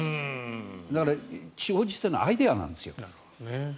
だから地方自治体のアイデアなんですよ。